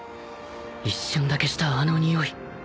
一瞬だけしたあのにおい